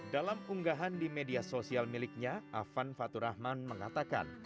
dalam unggahan di media sosial miliknya afan faturahman mengatakan